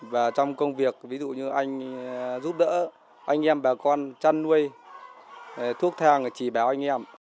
và trong công việc ví dụ như anh giúp đỡ anh em bà con chăn nuôi thuốc thang chỉ bảo anh em